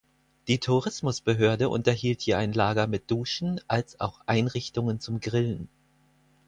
Die Tourismusbehörde unterhielt hier ein Lager mit Duschen als auch Einrichtungen zum Grillen.